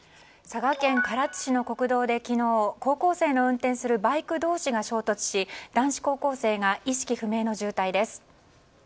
佐賀県唐津市の国道で昨日高校生の運転するバイク同士が衝突し男子高校生が意識不明の重体です。